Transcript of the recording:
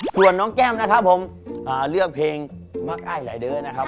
ส่วนน้องแก้มนะครับผมเลือกเพลงมากอ้ายหลายเด้อนะครับ